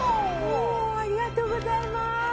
ありがとうございます。